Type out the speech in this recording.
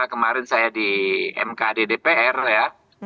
kemarin saya di mkd dpr ya